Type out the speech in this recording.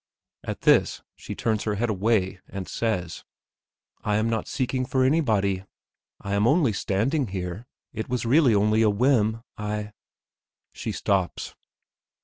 At this she turns her head away, and says: "I am not seeking for anybody. I am only standing here; it was really only a whim. I" ... she stops.